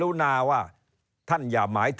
เริ่มตั้งแต่หาเสียงสมัครลง